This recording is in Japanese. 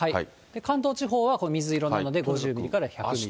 関東地方は水色なので５０ミリから１００ミリ。